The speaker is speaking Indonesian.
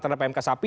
terhadap pmk sapi